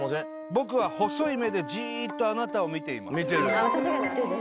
僕は細い目でジーッとあなたを見ています。